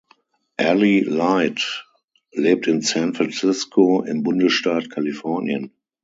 Allie Light lebt in San Francisco im Bundesstaat Kalifornien.